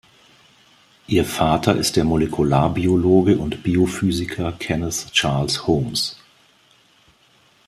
Ihr Vater ist der Molekularbiologe und Biophysiker Kenneth Charles Holmes.